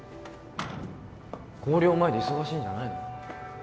校了前で忙しいんじゃないの？